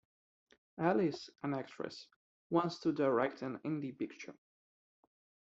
Alice, an actress, wants to direct an indie picture.